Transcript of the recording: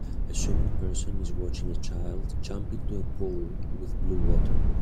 A swimming person is watching a child jump into a pool with blue water.